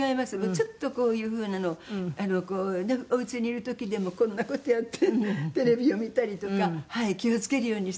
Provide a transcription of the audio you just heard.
ちょっとこういう風なのをこうねおうちにいる時でもこんな事やってテレビを見たりとかはい気を付けるようにしてます。